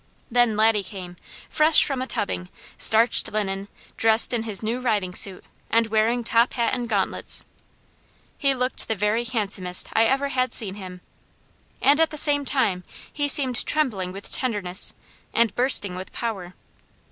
Then Laddie came, fresh from a tubbing, starched linen, dressed in his new riding suit, and wearing top hat and gauntlets. He looked the very handsomest I ever had seen him; and at the same time, he seemed trembling with tenderness, and bursting with power.